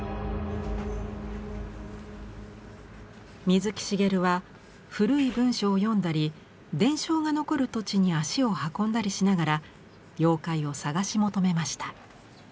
水木しげるは古い文書を読んだり伝承が残る土地に足を運んだりしながら妖怪を探し求めました。